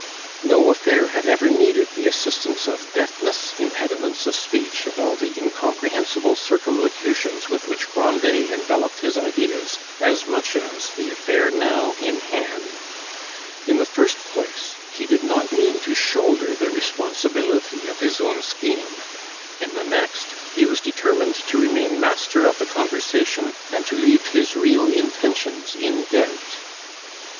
No affair had ever needed the assistance of deafness, impediments of speech, and all the incomprehensible circumlocutions with which Grandet enveloped his ideas, as much as the affair now in hand. In the first place, he did not mean to shoulder the responsibility of his own scheme; in the next, he was determined to remain master of the conversation and to leave his real intentions in doubt.